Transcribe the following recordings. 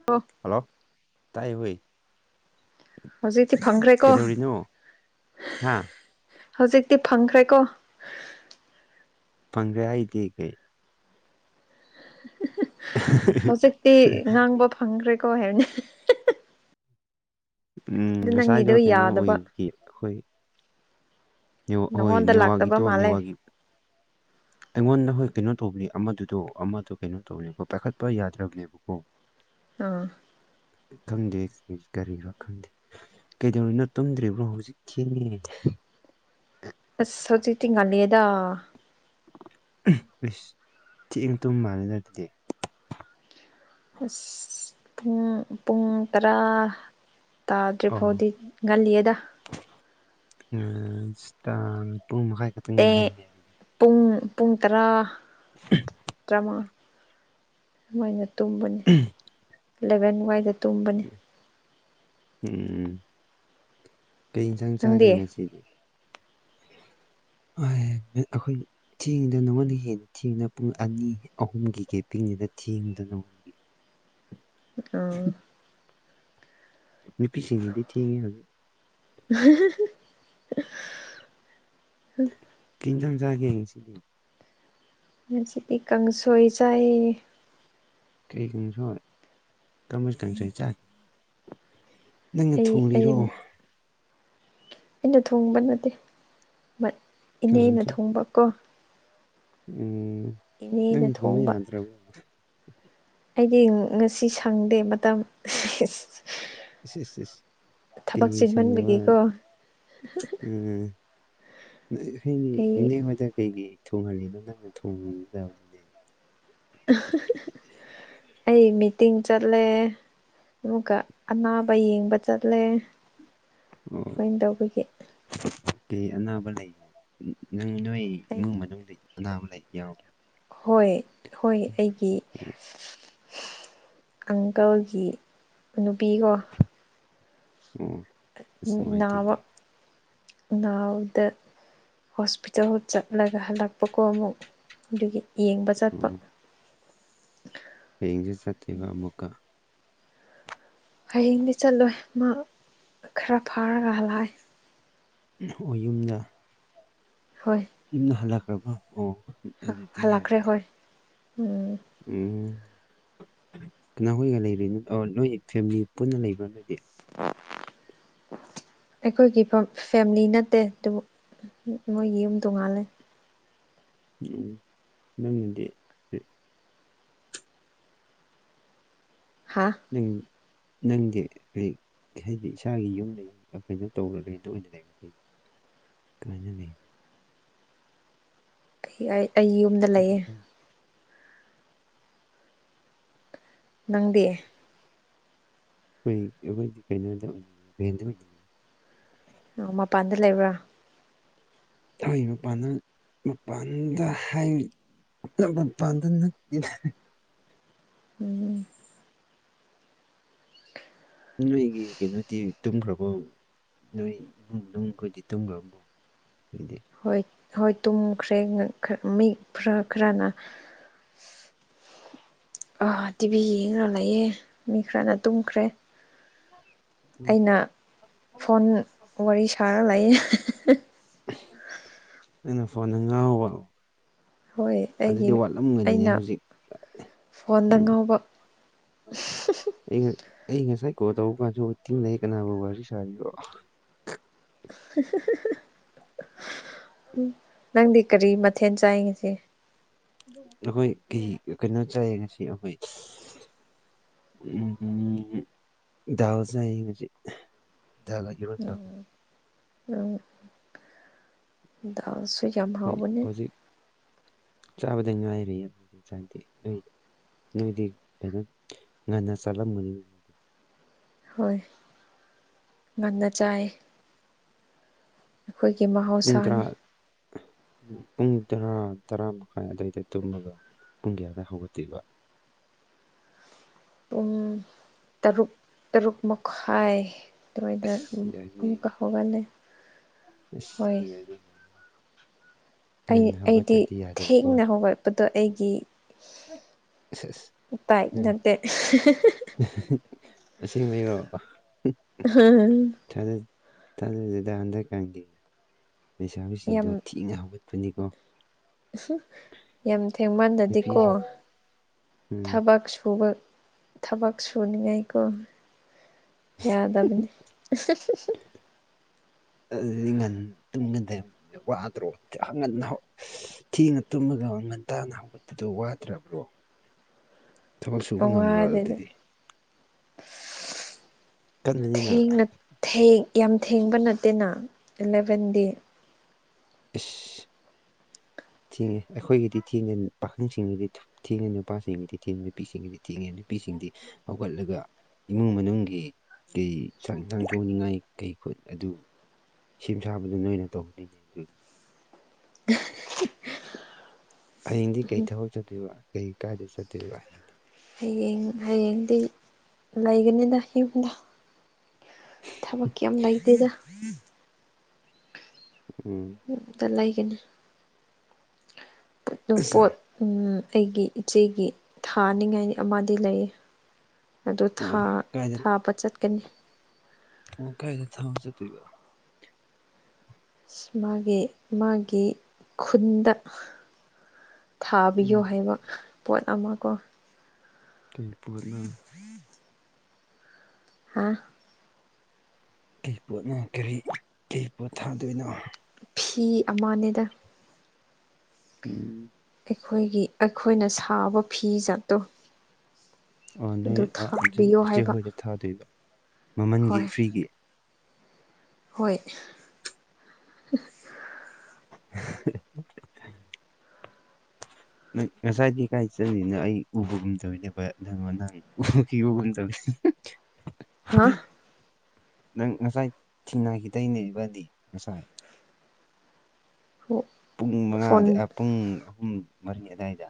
[unintelligible] Hello ꯇꯥꯏꯌꯦꯃꯤ ꯍꯧꯖꯤꯛꯇꯤ ꯐꯪꯈ꯭ꯔꯦꯀꯣ ꯀꯩꯗꯧꯔꯤꯅꯣ ꯍꯥ ꯍꯧꯖꯤꯛꯇꯤ ꯐꯪꯈ꯭ꯔꯦꯀꯣ ꯐꯪꯈ꯭ꯔꯦ ꯍꯥꯏꯗꯤ ꯀꯩ ꯍꯧꯖꯤꯛꯇꯤ ꯉꯥꯡꯕ ꯐꯪꯈ꯭ꯔꯦꯀꯣ ꯍꯥꯏꯕꯅꯤ ꯎꯝ ꯑꯗꯨ ꯉꯁꯥꯏꯗꯣ ꯅꯪꯒꯤꯗꯣ ꯀꯩꯅꯣ ꯌꯥꯗꯕ ꯑꯣꯏꯕꯒꯤ ꯑꯈꯣꯏ ꯅꯦꯋꯥꯛ ꯍꯣꯏ ꯅꯪꯉꯣꯟꯗ ꯅꯦꯋꯥꯛꯒꯤ ꯂꯥꯛꯇꯕ ꯇꯣ ꯃꯥꯜꯂꯦ ꯅꯦꯋꯥꯒꯤ ꯑꯩꯉꯣꯟꯗ ꯍꯣꯏ ꯀꯩꯅꯣ ꯇꯧꯕꯤ ꯑꯃꯗꯨꯗꯣ ꯑꯃꯗꯣ ꯀꯩꯅꯣ ꯇꯧꯔꯦꯕ ꯄꯥꯏꯈꯠꯄ ꯌꯥꯗ꯭ꯔꯕꯅꯦꯕꯀꯣ [unintelligible] ꯑꯥ ꯈꯪꯗꯦ ꯀꯔꯤꯔ ꯈꯪꯗꯦ ꯀꯩꯗꯧꯔꯤꯅꯣ ꯇꯨꯝꯗ꯭ꯔꯤꯕ꯭ꯔꯣ ꯍꯧꯖꯤꯛ ꯊꯦꯡꯉꯦ ꯑꯁ ꯍꯧꯖꯤꯛꯇꯤ ꯉꯥꯟꯂꯤꯌꯦꯗ [unintelligible] ꯑꯁ ꯊꯦꯡꯅ ꯇꯨꯝ ꯃꯥꯟꯂꯦꯗ ꯑꯗꯨꯗꯤ ꯑꯁ ꯄꯨꯡ ꯄꯨꯡ ꯇꯔꯥ ꯇꯥꯗꯔꯤ ꯐꯥꯎꯗꯤ ꯉꯜꯂꯤ ꯑꯦꯗ [unintelligible] ꯢꯁꯇꯥꯝ ꯄꯨꯡ ꯃꯈꯥꯏ ꯈꯛꯇꯪ ꯑꯦ ꯉꯥꯏꯔꯤꯅꯦ ꯑꯗꯨꯗꯤ ꯄꯨꯡ ꯄꯨꯡ ꯇꯔꯥ [unintelligible] ꯇꯔꯥꯃꯉꯥ ꯑꯗꯨꯋꯥꯏꯅ ꯇꯨꯝꯕꯅꯤ ꯑꯦꯂꯚꯦꯟ ꯋꯥꯏꯗ ꯇꯨꯝꯕꯅꯤ ꯎꯝ ꯀꯩ ꯏꯟꯁꯥꯡ ꯆꯥꯒꯦ ꯅꯪꯗꯤ ꯉꯁꯤꯗꯤ ꯑꯥꯏ ꯑꯩꯈꯣꯏ ꯊꯦꯡꯗꯅ ꯅꯉꯣꯟꯗ ꯍꯦꯟꯅ ꯊꯦꯡꯗ ꯄꯨꯡ ꯑꯅꯤ ꯑꯍꯨꯝꯒꯤ ꯀꯦ ꯄꯤꯡꯅꯤꯅ ꯊꯦꯡꯗꯅꯣ [inaudible] ꯑꯥ ꯅꯨꯄꯤꯁꯤꯡꯒꯤꯗꯤ ꯊꯦꯡꯉꯦ ꯍꯧꯖꯤꯛ [unintelligible] ꯀꯩ ꯏꯟꯖꯥꯡ ꯆꯥꯒꯦ ꯉꯁꯤꯗꯤ ꯉꯁꯤꯗꯤ ꯀꯥꯡꯁꯣꯏ ꯆꯥꯏꯌꯦ ꯀꯩ ꯀꯪꯁꯣꯢ ꯀꯔꯝꯕꯥ ꯀꯪꯁꯣꯏ ꯆꯥꯢ ꯅꯪꯅ ꯑꯩ ꯑꯩ ꯊꯨꯔꯤꯔꯣ ꯑꯩꯅ ꯊꯣꯡꯕ ꯅꯠꯇꯦ ꯕꯠ ꯀꯅꯥꯅ ꯏꯅꯦꯅ ꯊꯣꯡ ꯊꯣꯡꯕ ꯀꯣ ꯎꯝ ꯅꯪ ꯊꯣꯡꯕ ꯌꯥꯗ꯭ꯔꯥꯕꯣ ꯑꯩꯗꯤ ꯉꯁꯤ ꯁꯪꯗꯦ ꯃꯇꯝ ꯏꯁ ꯢꯁ ꯢꯁ ꯢꯁ ꯀꯩꯅꯤ ꯁꯪꯗꯦ ꯃꯥꯟ ꯆꯤꯟꯃꯟꯕꯒꯤꯀꯣ ꯎꯝ ꯅꫭꯏ ꯑꯩꯈꯣꯏꯒꯤ ꯑꯩ ꯢꯅꯦ ꯍꫭꯢꯗ ꯀꯩꯒꯤ ꯊꯣꯡꯍꯜꯂꯤꯅꯣ ꯅꯪꯅ ꯊꯣꯡꯗꯥꯝꯅꯦ ꯑꯩ ꯃꯤꯇꯤꯡ ꯆꯠꯂꯦ ꯑꯃꯨꯛꯀ ꯑꯅꯥꯕ ꯌꯦꯡꯕ ꯆꯠꯂꯦ ꯑꯣ ꯀꯃꯥꯏ ꯇꯧꯕꯒꯤ ꯀꯩ ꯑꯅꯥꯕ ꯂꯩꯒꯦ ꯅꯪ ꯅꯣꯏ ꯑꯩ ꯏꯃꯨꯡ ꯃꯅꯨꯡꯗꯩ ꯑꯅꯥꯕ ꯂꯩ ꯌꯥꯎ ꯍꯣꯏ ꯍꯣꯏ ꯑꯩꯒꯤ ꯑꯪꯀꯜꯒꯤ ꯅꯨꯄꯤꯀꯣ ꯑꯣ ꯑꯁ ꯅꯥꯕ ꯅꯨꯡꯉꯥꯏꯇꯦꯅꯦ ꯅꯅꯥꯎꯗ ꯍꯣꯁꯄꯤꯇꯥꯜ ꯆꯠꯂꯒ ꯍꯜꯂꯛꯄꯀꯣ ꯑꯃꯨꯛ ꯑꯗꯨꯒꯤ ꯌꯦꯡꯕ ꯆꯠꯄ ꯍꯌꯦꯡꯖꯨ ꯆꯠꯇꯨꯏꯕ ꯑꯃꯨꯛꯀ ꯍꯌꯦꯡꯗꯤ ꯆꯠꯂꯣꯏ ꯃꯥ ꯈꯔ ꯐꯥꯔꯒ ꯍꯜꯂꯛꯑꯦ ꯑꫭ ꯌꯨꯝꯗ ꯍꯣꯏ ꯌꯨꯝꯗ ꯍꯜꯂꯛꯈ꯭ꯔꯥꯕꫭ ꯑꯣ ꯑꫭ ꯑꯗꯨꯗꯤ ꯍꯜꯂꯛꯈ꯭ꯔꯦ ꯌꯥꯏꯅꯦ ꯍꯣꯏ ꯎꯝ ꯎꯝ ꯀꯅꯥꯈꯣꯏꯒ ꯂꯩꯔꯤꯅꫭ ꯑꯥꯎ ꯅꯣꯏ ꯐꯦꯃꯤꯂꯤ ꯄꯨꯟꯅ ꯂꯩꯕ꯭ꯔꯥ ꯅꯣꯏꯗꯤ [inaudible] ꯑꯩꯈꯣꯏꯒꯤ ꯐꯝ ꯐꯦꯃꯤꯂꯤ ꯅꯠꯇꯦ ꯗꯨꯕꯨ ꯃꯣꯏꯒꯤ ꯌꯨꯝ ꯇꯣꯡꯉꯥꯜꯂꯦ ꯎꯝ ꯅꯪꯗꯤ ꯍꯥꯥ ꯅꯤꯡ ꯅꯪꯗꯤ ꯍꯩ ꯍꯥꯏꯗꯤ ꯏꯁꯥꯒꯤ ꯌꯨꯝꯗ ꯌꯨꯝ ꯑꯩ ꯀꯩꯅꯣ ꯇꯧꯔ ꯔꯦꯟꯗ ꯑꯣꯏꯅ ꯂꯩꯕꯅꯦ ꯀꯥꯢꯅꯅꯤ ꯑꯩ ꯑꯩ ꯌꯨꯝꯗ ꯂꯩꯌꯦ ꯑꯩꯈꯣꯏ ꯅꯪꯗꯤ ꯈꯣꯏ ꯑꯈꯣꯏꯗꯤ ꯀꯩꯅꯣꯗ ꯕꯦꯟꯗ ꯑꯣꯏꯅꯤꯡꯉꯦ ꯅꯪ ꯃꯄꯥꯟꯗ ꯂꯩꯕ꯭ꯔꯥ ꯍꯣꯢ ꯃꯄꯥꯟꯗꯥ ꯃꯄꯥꯟꯗꯥ ꯍꯥꯏ [unintelligible] ꯃꯄꯥꯟꯗꯥ ꯅꯠꯇꯦꯗꯥ ꯎꯝ ꯅꯣꯏꯒꯤ ꯀꯩꯅꯣꯗꯤ ꯇꯨꯝꯈ꯭ꯔꯥꯕꯣ ꯅꯣꯏ ꯏꯃꯨꯡ ꯃꯅꯨꯡ ꯅꯨꯡꯈꯣꯏꯗꯤ ꯇꯨꯝꯈ꯭ꯔꯥꯕꯣ ꯅꯣꯢꯗꯤ ꯍꯣꯏ ꯍꯣꯏ ꯇꯨꯝꯈ꯭ꯔꯦ ꯅ ꯈꯔ ꯃꯤ ꯈꯔ ꯈꯔꯅ [inaudible] ꯑ ꯇꯤꯚꯤ ꯌꯦꯡꯉꯥ ꯂꯩꯌꯦ ꯃꯤ ꯈ꯭ꯔꯥꯅ ꯇꯨꯝꯈ꯭ꯔꯦ ꯑꯩꯅ ꯐꯣꯟ ꯋꯥꯔꯤ ꯁꯔꯥ ꯂꯩ ꯅꯪꯅ ꯐꯣꯟꯗ ꯉꯥꯎꯕ ꯍꯣꯏ ꯑꯩꯒꯤ ꯑꯗꯨꯗꯤ ꯋꯥꯠꯂꯝꯒꯅꯤꯅꯦ ꯑꯩꯅ ꯍꯧꯖꯤꯛ ꯐꯣꯟꯗ ꯎꯝ ꯉꯥꯎꯕ [unintelligible] ꯑꯩ ꯑꯩ ꯉꯁꯥꯏ ꯀꯣꯜ ꯇꯧꯕ ꯀꯥꯟꯁꯨ ꯋꯦꯊꯇꯤꯡ ꯂꯩꯌꯦ ꯀꯅꯥꯕꯨ ꯋꯥꯔꯤ ꯁꯥꯔꯤꯕꯣ [unintelligible] ꯅꯪꯗꯤ ꯀꯔꯤ ꯃꯊꯦꯟ ꯆꯥꯏ ꯉꯁꯤ ꯑꯩꯈꯣꯏ ꯀꯩ ꯀꯩꯅꯣ ꯆꯥꯏ ꯉꯁꯤ ꯑꯈꯣꯏ ꯎꯝ ꯗꯥꯜ ꯆꯥꯏ ꯉꯥꯁꯤ ꯎꯝ [unintelligible] [unintelligible] ꯗꯥꯜꯁꯨ ꯌꯥꯝ ꯈꯣꯏ ꯍꯥꯎꯕꯅꯦ ꯍꯧꯖꯤꯛ ꯆꯥꯕꯗ ꯉꯥꯏꯔꯤꯌꯦ ꯆꯥꯛꯇꯤ ꯅꯣꯢꯗꯤ ꯅꯣꯏꯗꯤ ꯀꯩꯅꯣ ꯉꯟꯅ ꯆꯥꯔꯝꯃꯅꯤ ꯍꯣꯏ ꯉꯟꯅ ꯆꯥꯏ ꯑꯩꯈꯣꯏꯒꯤ ꯃꯍꯥꯎ ꯄꯨꯡ ꯇꯔꯥ ꯄꯨꯡ ꯇꯔꯥ ꯇꯔꯥ ꯃꯈꯥꯏ ꯑꯗꯨꯋꯥꯏꯗ ꯇꯨꯝꯃꯒ ꯄꯨꯡ ꯀ꯭ꯌꯥꯗ ꯍꯧꯒꯠꯇꯤꯕ ꯄꯨꯡ ꯇꯔꯨꯛ ꯇꯔꯨꯛ ꯃꯈꯥꯏ ꯑꯗꯨꯋꯥꯏꯗ ꯑꯁ ꯑꯃꯨ ꯌꯥꯏꯅꯦ ꯑꯃꯨꯛꯀ ꯍꯧꯒꯠꯂꯦ ꯑꯁ ꯍꯣꯏ ꯌꯥꯏꯅꯦ ꯌꯥꯏ ꯑꯩ ꯉꯟꯅ ꯑꯩꯗꯤ ꯍꯧꯒꯠꯇ꯭ꯔꯗꯤ ꯌꯥꯗꯕꯀꯣ ꯊꯦꯡꯅ ꯍꯧꯒꯠꯄꯗꯣ ꯑꯩꯒꯤ ꯑꯁ ꯑꯁ ꯇꯥꯏꯞ ꯎꯝ ꯅꯠꯇꯦ ꯍꯤ ꯍꯤ ꯍꯤ [unintelligible] ꯑꯁꯦꯡꯕꯩꯔꯣ ꯑꯍꯥ ꯍ ꯍ ꯥ ꯊꯥꯖ ꯊꯥꯖꯗꯦꯗ ꯍꯟꯗꯛꯀꯥꯒꯤ ꯌꯥꯝ ꯂꯩꯩꯁꯥꯕꯤꯁꯤꯡꯗꯣ ꯊꯤꯅ ꯍꯧꯒꯠ ꯐꯅꯤꯀꯣ ꯌꯥꯝ ꯊꯦꯡꯃꯟꯗꯗꯤꯀꯣ ꯅꯨꯄꯤꯁꯤꯡ ꯎꯝ ꯊꯕꯛ ꯁꯨꯕ ꯊꯕꯛ ꯁꯨꯅꯤꯡꯉꯥꯏꯀꯣ ꯌꯥꯗꯕꯅꯤ ꯑ ꯑ ꯉꯟ ꯇꯨꯝꯒꯗꯕ ꯋꯥꯗ꯭ꯔꯣ ꯑ ꯉꯟꯅ ꯍꯧ ꯏꯁ ꯊꯦꯡꯅ ꯇꯨꯝꯃꯒ ꯉꯟꯇꯥꯅ ꯍꯧꯒꯠ ꯑꯗꯨ ꯋꯥꯠꯗ꯭ꯔꯕ꯭ꯔꯣ ꯊꯕꯛ ꯁꯨꯕ ꯉꯃ꯭ꯔꯣ ꯋꯥꯗꯦꯗ ꯑꯗꯨꯗꯤ ꯀꯟꯕꯅꯤꯅ ꯊꯦꯡꯅ ꯊꯦꯡ ꯌꯥꯝ ꯊꯦꯡꯕ ꯅꯠꯇꯦꯅ ꯑꯦꯂꯦꯚꯦꯟꯗꯤ ꯏꯁ ꯊꯦꯡꯉꯦ ꯑꯩꯈꯣꯏꯒꯤꯗꯤ ꯊꯦꯡꯗꯦ ꯄꯥꯈꯪꯁꯤꯡꯒꯤꯗꯤ ꯊꯦꯡꯉꯦ ꯅꯨꯄꯥꯁꯤꯡꯒꯤꯗꯤ ꯊꯦꯡꯗꯦ ꯅꯨꯄꯤꯁꯤꯡꯒꯤꯗꯤ ꯊꯦꯡꯉꯦ ꯅꯨꯄꯤꯁꯤꯡꯗꯤ ꯍꯧꯒꯠꯂꯒ ꯏꯃꯨꯡ ꯃꯅꯨꯡꯒꯤ ꯀꯩ ꯆꯥꯛ ꯏꯟꯁꯥꯡ ꯊꯣꯛꯅꯤꯡꯉꯥꯏ ꯀꯩ ꯈꯨꯠ ꯑꯗꯨ ꯁꯦꯝ ꯁꯥꯕꯗꯨ ꯅꯣꯏꯅ ꯇꯧꯗꯣꯏꯅꯤ ꯍꯩꯌꯦꯡꯗꯤ ꯀꯩ ꯊꯕꯛ ꯆꯠꯇꯣꯏꯕ ꯀꯩ ꯀꯥꯏꯗ ꯆꯠꯇꯣꯏꯕ ꯍꯌꯦꯡꯗꯤ ꯎꯝ ꯍꯌꯦꯡꯗꯤ ꯂꯩꯒꯅꯤꯗ ꯌꯨꯝꯗ ꯊꯕꯛ ꯀꯦꯝ ꯂꯩꯇꯦꯗ ꯎꯝ ꯑꯝꯇ ꯂꯩꯒꯅ ꯑꯗꯣ ꯑꯁ ꯄꯣꯠ ꯎꯝ ꯑꯩꯒꯤ ꯏꯆꯦꯒꯤ ꯊꯥꯅꯤꯡꯉꯥꯏ ꯑꯃꯗꯤ ꯂꯩꯌꯦ ꯑꯗꯨ ꯑꯣ ꯊꯥ ꯀꯥꯏꯗ ꯊꯥꯕ ꯆꯠꯀꯅꯤ ꯎꯝ ꯀꯥꯏꯗ ꯊꯥꯕ ꯆꯠꯇꯣꯏꯕ ꯃꯥꯒꯤ ꯃꯥꯒꯤ ꯈꯨꯟꯗ ꯊꯥꯕꯤꯌꯣ ꯎꯝ ꯍꯥꯏꯕ ꯄꯣꯠ ꯑꯃ ꯀꯣ ꯀꯩ ꯄꯣꯠꯅꯣ ꯍꯥ ꯀꯩ ꯄꯣꯠꯅꯣ ꯀꯔꯤ ꯀꯩ ꯄꯣꯠ ꯊꯥꯗꯣꯏꯅꯣ ꯐꯤ ꯑꯃꯅꯦꯗ ꯎꯝ ꯑꯩꯈꯣꯏꯒꯤ ꯑꯩꯈꯣꯏꯅ ꯁꯥꯕ ꯐꯤꯖꯠꯇꯣ ꯑ ꯗꯨꯏ [unintelligible] ꯊꯥꯕꯤꯌꯣ ꯗꯤꯆꯦ ꯍꯥꯏꯕ ꯍꯣꯏꯗ ꯊꯥꯗꯨꯏꯕ ꯃꯃꯟꯒꯤ ꯍꯣꯏ ꯐꯔꯤꯒꯤ ꯍꯣꯏ [unintelligible] ꯅꯪ ꯉꯁꯥꯏꯗꯤ ꯀꯥꯏ ꯆꯌꯤꯅꯣ ꯑꯩ ꯎꯕꯒꯨꯝ ꯇꯧꯋꯤ ꯂꯦꯞꯄ ꯅꯪ ꯋꯣ ꯅꯪ ꯀꯤꯕꯒꯨꯝ ꯇꯧꯋꯤ ꯍꯥ ꯅꯪ ꯉꯁꯥꯏ ꯊꯤꯟꯅꯒꯤꯗꯥꯏꯅꯦ ꯏꯕꯥꯟꯅꯤ ꯉꯁꯥꯏ ꯍꯣꯏ ꯄꯨꯡ ꯃꯉꯥꯗ ꯄꯨꯡ ꯑꯍꯨꯝ ꯃꯔꯤ ꯑꯗꯋꯥꯏꯗ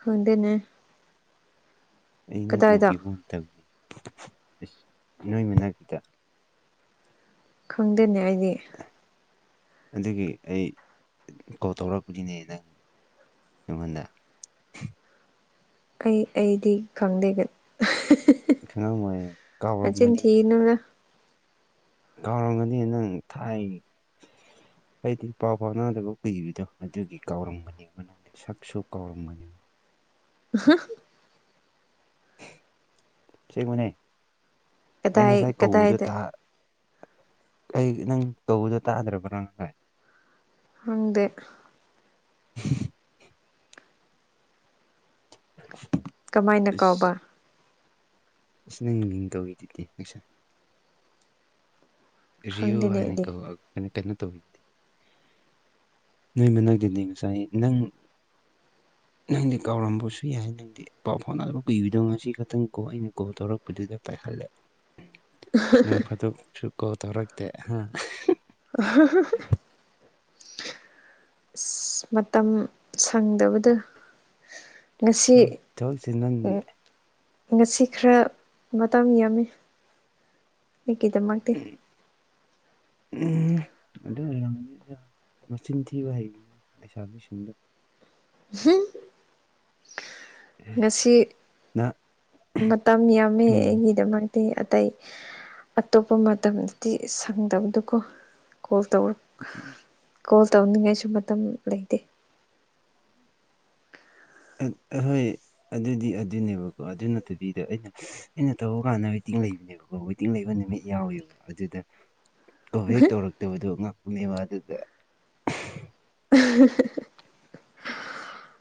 ꯈꯪꯗꯦꯅꯦ ꯑꯩꯅ ꯀꯗꯥꯏꯗ ꯎꯈꯤꯒꯨꯝ ꯇꯧꯋꯤ ꯅꯣꯏ ꯃꯅꯥꯛꯀꯤꯗ ꯈꯪꯗꯦꯅꯦ ꯑꯩꯗꯤ ꯑꯗꯨꯒꯤ ꯑꯩ ꯀꯣꯜ ꯇꯧꯔꯛꯄꯅꯤꯅꯦ ꯅꯪ ꯅꯉꯣꯟꯗ ꯑꯩ ꯑꯩꯗꯤ ꯈꯪꯗꯦꯒ [unintelligible] ꯈꯪꯉꯝꯃꯣꯏ ꯅꯆꯤꯟ ꯀꯥꯎꯔꯝꯒꯅꯤ ꯅꯪꯗꯤ ꯊꯤꯅꯨꯗ ꯀꯥꯎꯔꯝꯒꯅꯤ ꯅꯪ ꯊꯥꯏ ꯑꯩꯗꯤ ꯄꯥꯎ ꯐꯥꯎꯅꯗꯕ ꯀꯨꯏꯔꯤꯗꯣ ꯑꯗꯨꯒꯤ ꯀꯥꯎꯔꯝꯒꯅꯤꯕ ꯅꯪ ꯁꯥꯥꯛꯁꯨ ꯀꯧꯔꯝ ꯒꯅꯤꯕ [unintelligible] ꯁꯤꯡꯉꯣꯅꯦ ꯑꯩ ꯀꯗꯥꯏ ꯉꯁꯥꯏ ꯀꯧꯕꯗꯨ ꯀꯗꯥꯏꯗ ꯇ ꯑꯩ ꯅꯪ ꯀꯧꯕꯗꯣ ꯇꯥꯗ꯭ꯔꯕꯔ ꯉꯁꯥꯏ ꯍꯪꯗꯦ [unintelligible] [unintelligible] ꯀꯃꯥꯏꯅ ꯀꯥꯎꯕ ꯏꯁ ꯅꯪ ꯃꯤꯡ ꯀꯧꯔꯤꯗꯨꯗꯤ ꯉꯁꯥꯏ ꯔꯤꯌꯣ ꯈꯪꯗꯦꯅꯦ ꯍꯥꯏꯅ ꯑꯩꯗꯤ ꯀꯧꯋꯛ ꯑꯅꯀꯩꯅꯣ ꯇꯧꯔꯤꯗꯨꯗꯤ ꯅꯪꯅ ꯅꯣꯛꯏꯗꯨꯗꯤ ꯉꯁꯥꯏ ꯅꯪ ꯅꯪꯗꯤ ꯀꯥꯎꯔꯝꯕꯁꯨ ꯌꯥꯏ ꯅꯪꯗꯤ ꯄꯥꯎ ꯐꯥꯎꯅꯗ ꯀꯨꯏꯔꯤꯗꯣ ꯉꯁꯤ ꯈꯛꯇꯪ ꯀꯣ ꯑꯩꯅ ꯀꯣꯜ ꯇꯧꯔꯛꯄꯗꯨꯗ ꯄꯥꯏꯈꯠꯂꯦ ꯅꯣꯡ ꯐꯥꯗꯣꯛꯁꯨꯨ ꯀꯣꯜ ꯇꯧꯔꯛꯇꯦ ꯍꯥ [unintelligible] ꯃꯇꯝ ꯁꯪꯗꯕꯗꯣ ꯊꯕꯛ ꯉꯁꯤ ꯊꯕꯛꯁꯦ ꯅꯪꯗꯤ ꯎꯝ ꯉꯁꯤ ꯈꯔ ꯃꯇꯝ ꯌꯥꯝꯃꯤ ꯑꯩꯒꯤꯗꯃꯛ [unintelligible] [unintelligible] ꯑꯗꯨꯏ ꯑꯣꯏꯔꯝꯒꯅꯤꯗ ꯃꯆꯤꯟ ꯊꯤꯕ ꯍꯩꯕꯅꯤ ꯂꯩꯁꯥꯕꯤꯁꯤꯡꯗꯣ ꯉꯁꯤ ꯅ ꯃꯇꯝ ꯌꯥꯝꯃꯦ ꯎꯝ ꯑꯩꯒꯤꯗꯃꯛ ꯃꯤ ꯑꯇꯩ ꯑꯇꯣꯞꯄ ꯃꯇꯝꯗꯗꯤ ꯁꯪꯗꯕꯗꯨꯀꯣ ꯀꯣꯜ ꯇꯧꯔꯛꯇꯦ ꯎꯝ [unintelligible] ꯀꯣꯜ ꯇꯧꯅꯤꯡꯉꯥꯏꯁꯨ ꯃꯇꯝ ꯂꯩꯇꯦ ꯑꯡ ꯑꯍꯣꯏ ꯑꯗꯨꯗꯤ ꯑꯗꯨꯅꯦꯕꯀꯣ ꯑꯗꯨ ꯅꯠꯇꯕꯤꯗ ꯑꯩꯅ ꯑꯩꯅ ꯇꯧꯕ ꯀꯥꯟꯗ ꯋꯦꯇꯤꯡ ꯂꯩꯕꯅꯦꯕꯀꯣ ꯋꯦꯇꯤꯡ ꯂꯩꯕ ꯅꯨꯃꯤꯠ ꯌꯥꯎꯋꯦꯕ ꯑꯗꯨꯗ ꯀꯣꯜ ꯚꯦꯛ ꯇꯧꯔꯛꯇꯕꯗꯣ ꯉꯥꯛꯄꯅꯦꯕ ꯑꯗꯨꯗ [unintelligible]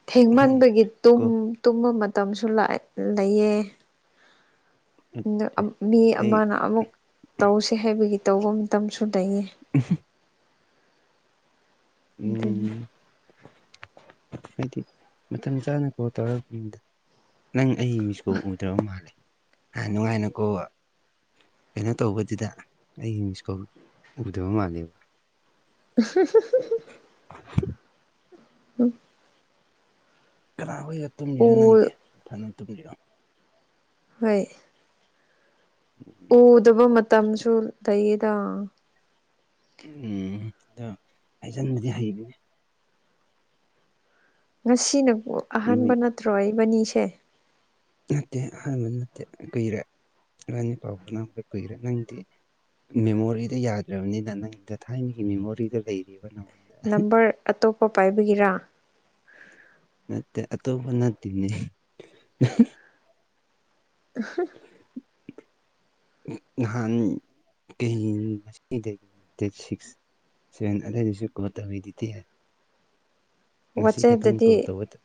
ꯊꯦꯡꯃꯟꯕꯒꯤ ꯇꯨꯝ ꯀꯣ ꯇꯨꯝꯕ ꯃꯇꯝꯁꯨ ꯂꯦꯛꯌꯦ ꯂꯩꯌꯦ ꯑꯗꯣ ꯃꯤ ꯑꯩ ꯑꯃꯅ ꯑꯃꯨꯛ ꯇꯧꯁꯦ ꯍꯥꯏꯕꯒꯤ ꯇꯧꯕ ꯃꯇꯝꯁꯨ ꯂꯩꯌꯦ ꯎ [unintelligible] ꯑꯗꯨꯅ ꯎꯝ ꯍꯥꯏꯗꯤ ꯃꯇꯝ ꯆꯥꯅ ꯀꯣꯜ ꯇꯧꯔꯄꯤꯕꯅꯤꯗ ꯅꯪ ꯑꯩ ꯃꯤꯁ ꯀꯣꯜ ꯎꯗ꯭ꯔꯕ ꯃꯥꯜꯂꯦ ꯍ ꯅꯨꯡꯉꯥꯏꯅꯀꯣ ꯀꯩꯅꯣ ꯇꯧꯕꯗꯨꯗ ꯑꯩ ꯃꯤꯁꯀꯣꯜ ꯎꯗꯕ ꯃꯥꯜꯂꯦꯕ [unintelligible] [unintelligible] ꯀꯅꯥ ꯍꯣꯏꯒ ꯎ ꯇꯨꯝꯃꯤꯔ ꯅꯪꯗꯤ ꯅꯊꯟꯗ ꯇꯨꯝꯃꯤꯔꯣ ꯍꯣꯏ [unintelligible] ꯎꯗꯕ ꯃꯇꯝꯁꯨ ꯂꯩꯌꯦꯗ ꯎꯝ ꯑꯗꯣ ꯍꯥꯏꯖꯟꯕꯗꯤ ꯍꯩꯕꯅꯦ ꯉꯁꯤꯅꯕꯨ ꯅꯣꯏ ꯑꯍꯥꯟꯕ ꯅꯠꯇ꯭ꯔꯣ ꯏꯕꯅꯤꯁꯦ ꯅꯠꯇꯦ ꯑꯍꯥꯟꯕ ꯅꯠꯇꯦ ꯀꯨꯏꯔꯦ ꯏꯕꯥꯅꯤ ꯄꯥꯎ ꯐꯥꯎꯅꯔꯛꯄ ꯀꯨꯏꯔꯦ ꯅꯪꯗꯤ ꯃꯦꯃꯣꯔꯤꯗꯤ ꯌꯥꯗ꯭ꯔꯕꯅꯤꯅ ꯅꯪꯗꯣ ꯊꯥꯏꯅꯒꯤ ꯃꯦꯃꯣꯔꯤꯗꯨ ꯂꯩꯔꯤꯕ ꯅꯪ ꯅꯝꯕꯔ ꯑꯇꯣꯞꯄ ꯄꯥꯏꯕꯒꯤꯔꯥ ꯅꯠꯇꯦ ꯑꯇꯣꯞꯄ ꯅꯠꯇꯦꯅꯦ [unintelligible] [unintelligible] ꯅꯍꯥꯟ [unintelligible] ꯗꯦꯠ ꯁꯤꯛꯁ ꯁꯦꯟ ꯑꯗꯩꯗꯨꯁꯨ ꯀꯣꯜ ꯇꯧꯔꯤꯗꯨꯗꯤ ꯉꯁꯤ ꯈꯇꯪ ꯋꯥꯆꯦꯞꯇꯗꯤ ꯀꯣꯜ ꯇꯧꯕꯗ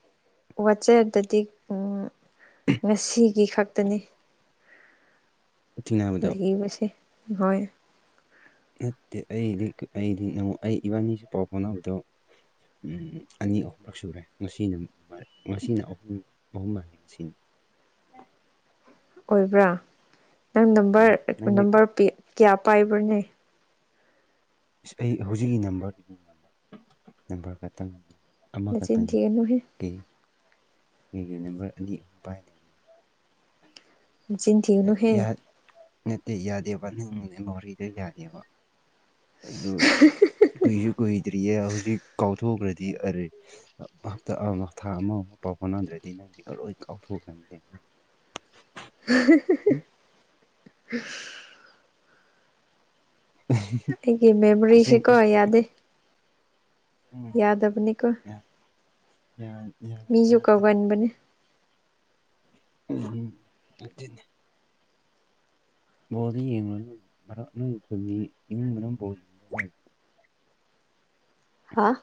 ꯋꯥꯆꯦꯞꯇꯗꯤ ꯎꯝ ꯉꯁꯤꯒꯤ ꯈꯛꯇꯅꯤ ꯊꯦꯡꯅꯕꯗꯣ ꯂꯩꯕꯁꯦ ꯍꯣꯏ ꯅꯠꯇꯦ ꯑꯩꯗꯤ ꯑꯩꯗꯤ ꯅꯣ ꯑꯩ ꯏꯕꯥꯅꯤ ꯄꯥꯎ ꯐꯥꯎꯅꯕꯗꯣ ꯎꯝ ꯎꯝ ꯑꯅꯤ ꯑꯍꯨꯝꯂꯛ ꯁꯨꯔꯦ ꯉꯁꯤꯅ ꯃ ꯉꯁꯤꯅ ꯑꯍꯨꯝ ꯑꯍꯨꯝ ꯁꯨꯏꯅꯤ ꯑꯣꯏꯕ꯭ꯔꯥ ꯅꯪ ꯎꯝ ꯅꯝꯕꯔ ꯅꯪꯗꯤ ꯅꯝꯕꯔ ꯀ- ꯄꯤ ꯀꯌꯥ ꯄꯥꯏꯕ꯭ꯔꯅꯦ ꯏꯁ ꯑꯩ ꯍꯧꯖꯤꯛꯀꯤ ꯅꯝꯕꯔ ꯅꯝꯕꯔ ꯈꯛꯇꯪ ꯑꯃꯈ ꯅꯆꯤꯟ ꯇꯪꯅꯤ ꯊꯤꯒꯅꯨꯍꯦ ꯑꯩ ꯑꯩꯒꯤ ꯅꯝꯕꯔ ꯑꯅꯤ ꯄꯥꯢꯗꯦ ꯅꯆꯤꯟ ꯑ ꯊꯤꯒꯅꯨꯍꯦ ꯌꯥ ꯅꯠꯇꯦ ꯌꯥꯗꯦꯕ ꯅꯪꯒꯤ ꯃꯦꯃꯣꯔꯤꯗ ꯌꯥꯗꯦꯕ ꯑꯗꯨ ꯀꯨꯏꯁꯨ ꯀꯨꯏꯗ꯭ꯔꯤꯌꯦ ꯍꯧꯖꯤꯛ ꯀꯥꯎꯊꯣꯛꯈ꯭ꯔꯗꯤ ꯑꯔꯦ ꯍꯥꯞꯇ ꯑꯃ ꯊꯥ ꯑꯃ ꯄꯥꯎ ꯐꯧꯅꯗ꯭ꯔꯗꯤ ꯅꯪꯗꯤ ꯑꯂꯣꯏ ꯀꯥꯎꯊꯣꯛꯈ꯭ꯔꯅꯤꯅꯦ [unintelligible] [unintelligible] ꯑꯩꯒꯤ ꯃꯦꯃꯣꯔꯤꯁꯤ ꯑꯁꯦꯡ ꯀꯣ ꯑꯁ ꯌꯥꯗꯦ ꯎꯝ ꯌꯥꯗ ꯕꯅꯤꯀꯣ ꯌꯥ ꯌꯥ ꯌꯥꯗ꯭ꯔꯦ ꯃꯨꯟꯕꯅꯤ ꯎꯝ ꯍꯨꯝ ꯑꯗꯨꯅꯦ꯫ ꯕꯣꯜꯗꯤ ꯌꯦꯡꯂꯨꯅꯨ ꯃꯔꯛ [unintelligible] ꯍꯥ?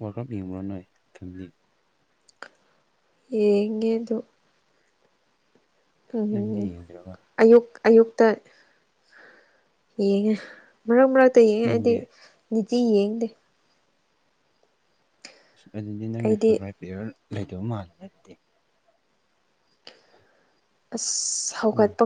ꯋꯔꯥꯜ ꯀꯥꯞ ꯌꯦꯡꯕ꯭ꯔꯣ ꯅꯣꯏ ꯐꯦꯃꯤꯂꯤ꯫ ꯌꯦꯡꯉꯦꯗꯨ ꯎꯝ ꯅꯪꯗꯤ ꯎꯝ ꯌꯦꯡꯗ꯭ꯔꯒ ꯑꯌꯨꯛ-ꯑꯌꯨꯛꯇ ꯌꯦꯡꯉꯦ꯫ ꯃꯔꯛ-ꯃꯔꯛꯇ ꯌꯦꯡꯉꯦ ꯑꯩꯗꯤ ꯅꯪꯗꯤ ꯅꯤꯇꯤ ꯌꯦꯡꯗꯦ꯫ ꯑꯗꯨꯗꯤ ꯅꯪꯅ ꯑꯩꯗꯤ ꯐꯦꯕꯔꯥꯏꯠ ꯄ꯭ꯂꯦꯌꯔ ꯂꯩꯇꯕ ꯃꯥꯜꯂꯦ ꯑꯗꯨꯗꯤ ꯑꯁ ꯎꯝ ꯍꯧꯒꯠꯄ